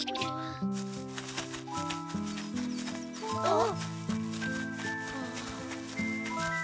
あっ。